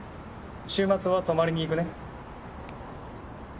週末は泊まりに行くね」